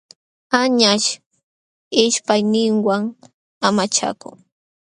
Añaśh ishpayninwan amachakun.